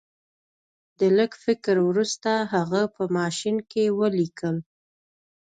د لږ فکر وروسته هغه په ماشین کې ولیکل